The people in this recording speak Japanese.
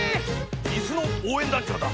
イスのおうえんだんちょうだ！